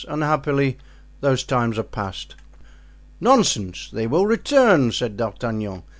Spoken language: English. "Unhappily, those times are past." "Nonsense! They will return," said D'Artagnan.